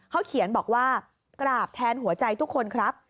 เขาเขียนบอกว่ากราบแทนหัวใจทุกคนครับ